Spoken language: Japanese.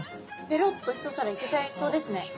ペロッと一皿いけちゃいそうですね。